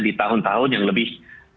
di tahun tahun yang lebih